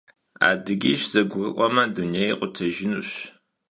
Adıgiş zegurı'ueme dunêyr khutejjınuş.